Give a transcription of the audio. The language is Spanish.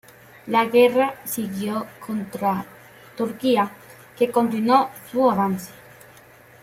La guerra siguió contra Turquía, que continuó su avance.